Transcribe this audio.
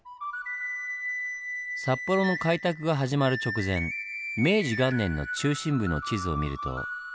札幌の開拓が始まる直前明治元年の中心部の地図を見ると。